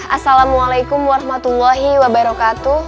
assalamualaikum warahmatullahi wabarakatuh